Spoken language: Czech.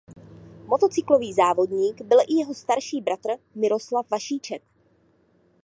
Motocyklový závodník byl i jeho starší bratr Miroslav Vašíček.